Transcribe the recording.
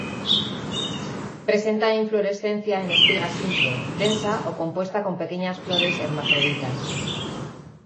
Presenta inflorescencia en espiga simple, densa o compuesta con pequeñas flores hermafroditas.